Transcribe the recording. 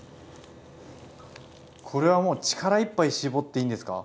これはもう力いっぱい絞っていいんですか？